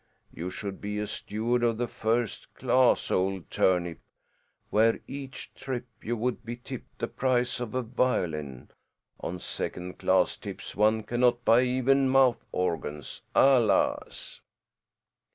You should be a steward of the first class, old turnip, where each trip you would be tipped the price of a violin; on second class tips one cannot buy even mouth organs. Alas!"